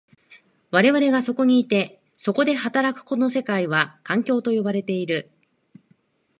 我々がそこにいて、そこで働くこの世界は、環境と呼ばれている。